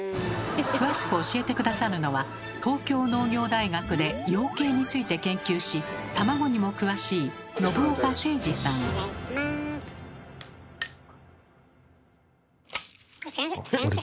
詳しく教えて下さるのは東京農業大学で養鶏について研究し卵にも詳しい先生⁉先生。